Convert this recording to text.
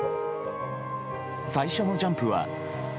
最初のジャンプは。